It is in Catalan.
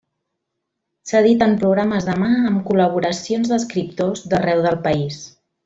S'editen programes de mà amb col·laboracions d'escriptors d'arreu del país.